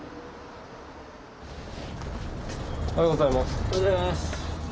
おはようございます。